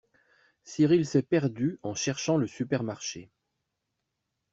Cyrille s'est perdu en cherchant le supermarché.